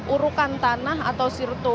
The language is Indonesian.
urukan tanah atau sirto